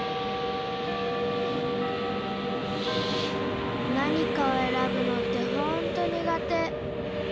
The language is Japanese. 心の声何かをえらぶのってほんとにがて。